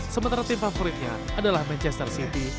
sementara tim favoritnya adalah manchester city